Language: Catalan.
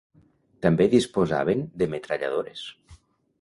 També disposaven de metralladores.